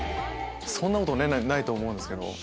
そんなことないと思うんですけど。